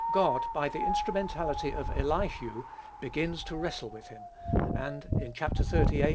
God, by the instrumentality of Elihu, begins to wrestle with him; and in Chapter xxxviii.